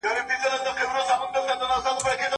تولستوی د خپل وخت تر ټولو حساس او پوه لیکوال و.